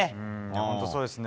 本当そうですね。